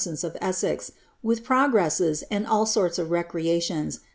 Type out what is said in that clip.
ence of Ea«ex, witb progiiMCT and all sorts of recreations